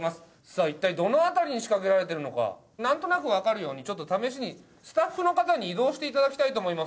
さあ一体どの辺りに仕掛けられているのかなんとなくわかるようにちょっと試しにスタッフの方に移動して頂きたいと思います。